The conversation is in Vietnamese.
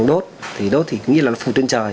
đốt thì nghĩ là nó phù trên trời